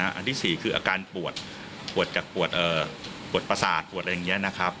อันที่๔คืออาการปวดปวดจากปวดประสาทปวดอะไรอย่างนี้นะครับ